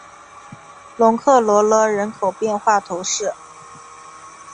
龙克罗勒人口变化图示